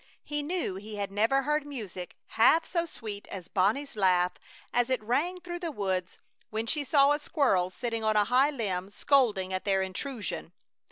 He knew he had never heard music half so sweet as Bonnie's laugh as it rang through the woods when she saw a squirrel sitting on a high limb scolding at their intrusion.